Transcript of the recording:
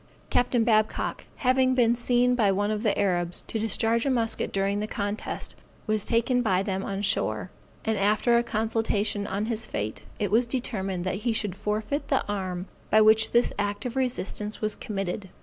Capt. Babcock, having been seen by one of the Arabs to discharge a musket during the contest, was taken by them on shore; and after a consultation on his fate, it was determined that he should forfeit the arm by which this act of resistance was committed.